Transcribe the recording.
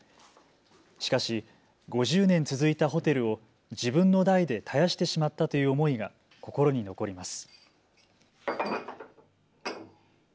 しかし５０年続いたホテルを自分の代で絶やしてしまったという思いが心に残ります。